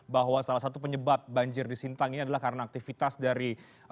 bahwa salah satu penyebab banjir di sintang ini adalah karena aktivitas dari